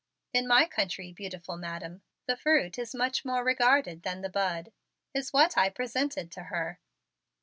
"In my country, beautiful Madam, the fruit is much more regarded than the bud," is what I presented to her.